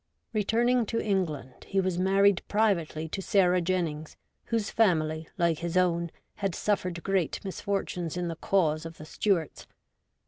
Returning to England, he was married privately to Sarah Jennings, whose family, like his own, had suffered great misfortunes in the cause of the Stuarts.